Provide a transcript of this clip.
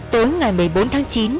tối ngày một mươi bốn tháng chín